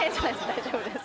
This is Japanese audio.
大丈夫です